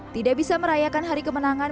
tidak bisa merayakan hari kemenangan